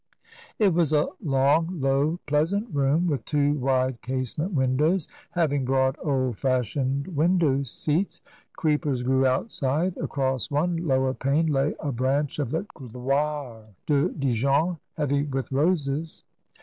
It was a long, low, pleasant room, with two wide case ment windows, having broad, old fashioned window seats. Creepers grew outside; across one lower pane lay a branch of the Gloire de Dijon heavy with roses.